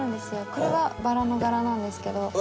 これはバラの柄なんですけど。